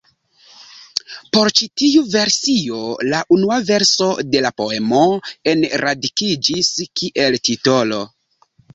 Por ĉi tiu versio la unua verso de la poemo enradikiĝis kiel titolo.